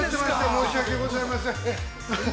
申しわけございません。